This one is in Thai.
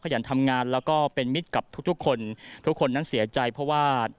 ยันทำงานแล้วก็เป็นมิตรกับทุกทุกคนทุกคนนั้นเสียใจเพราะว่า